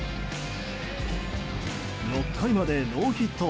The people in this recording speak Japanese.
６回までノーヒット。